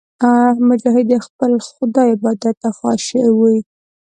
مجاهد د خپل خدای عبادت ته خاشع وي.